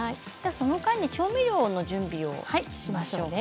その間に調味料の準備をしましょうかね。